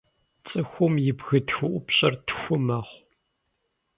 Цӏыхум и бгы тхыӏупщӏэр тху мэхъу.